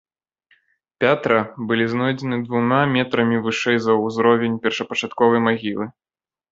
Пятра былі знойдзеныя двума метрамі вышэй за ўзровень першапачатковай магілы.